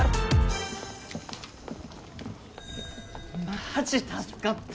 マジ助かった。